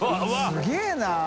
すげぇな。